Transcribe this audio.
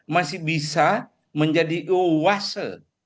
masih bisa menjadi oase